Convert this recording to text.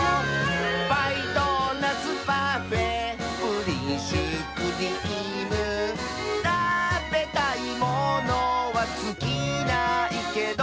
「パイドーナツパフェプリンシュークリーム」「たべたいものはつきないけど」